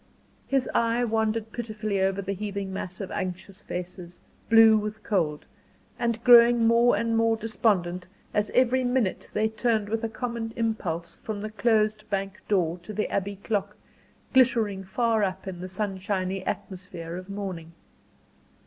His eye wandered pitifully over the heaving mass of anxious faces blue with cold, and growing more and more despondent as every minute they turned with a common impulse from the closed bank door to the Abbey clock, glittering far up in the sunshiny atmosphere of morning.